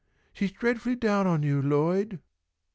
She's dreadfully down on you, Lloyd."